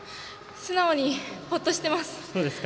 素直にほっとしています。